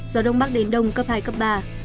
gió đông bắc đến đông cấp hai cấp ba